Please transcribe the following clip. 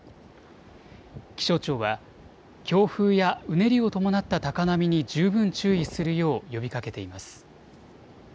気象庁は、強風やうねりを伴った高波に十分注意するよう呼びかけています。